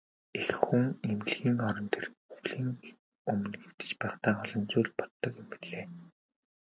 Эх хүн эмнэлгийн орон дээр үхлийн өмнө хэвтэж байхдаа олон зүйл боддог юм билээ.